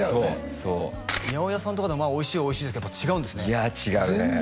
そうそう八百屋さんとかでもおいしいはおいしいですけどやっぱ違うんですねいや違うね